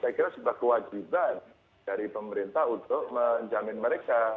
saya kira sebuah kewajiban dari pemerintah untuk menjamin mereka